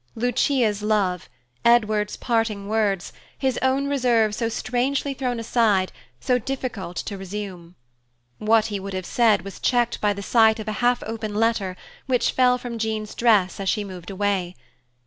Lucia's love, Edward's parting words, his own reserve so strangely thrown aside, so difficult to resume. What he would have said was checked by the sight of a half open letter which fell from Jean's dress as she moved away.